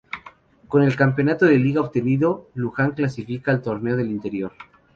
Con el campeonato de liga obtenido, Lujan clasifica al Torneo del Interior.